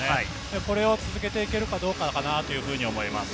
これを続けていけるかどうかかなと思います。